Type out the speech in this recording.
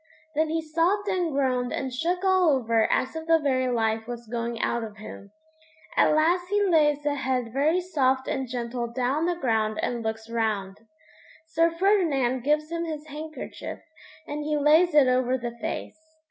Then he sobbed and groaned and shook all over as if the very life was going out of him. At last he lays the head very soft and gentle down on the ground and looks round. Sir Ferdinand gives him his handkerchief, and he lays it over the face.